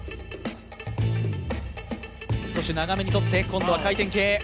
少し長めにとって今度は回転系。